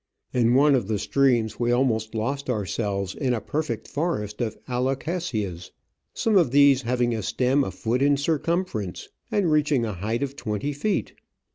In one of the streams we almost lost ourselves in a perfect forest of Alocasias, some of these having a stem a foot in circumference and reaching a height of twenty feet.